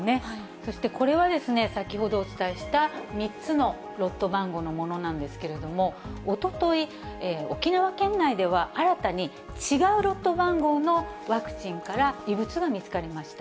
そして、これは先ほどお伝えした３つのロット番号のものなんですけれども、おととい、沖縄県内では、新たに違うロット番号のワクチンから異物が見つかりました。